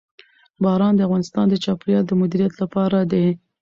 باران د افغانستان د چاپیریال د مدیریت لپاره دی.